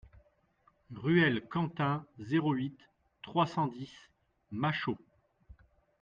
Ruelle Quentin, zéro huit, trois cent dix Machault